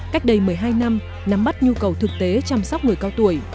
cách đây một mươi hai năm nắm bắt nhu cầu thực tế chăm sóc người cao tuổi